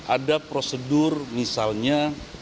ada prosedur misalnya